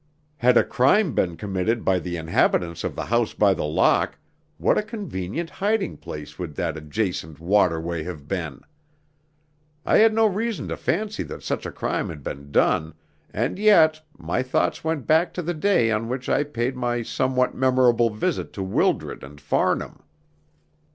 Had a crime been committed by the inhabitants of the House by the Lock, what a convenient hiding place would that adjacent waterway have been! I had no reason to fancy that such a crime had been done, and yet my thoughts went back to the day on which I paid my somewhat memorable visit to Wildred and Farnham.